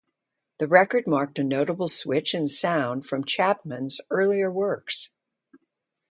The record marked a notable switch in sound from Chapman's earlier works.